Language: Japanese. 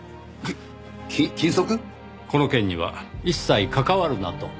この件には一切関わるなと。